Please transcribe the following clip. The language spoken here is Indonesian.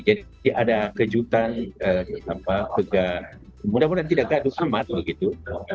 jadi ada kejutan mudah mudahan tidak gaduh sama begitu